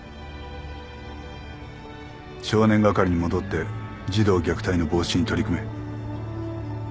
少年係に戻って児童虐待の防止に取り組め。